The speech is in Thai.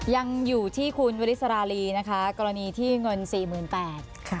ยังอยู่ที่คุณวริสราลีนะคะกรณีที่เงิน๔๘๐๐บาท